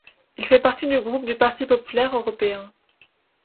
Il fait partie du groupe du Parti populaire européen.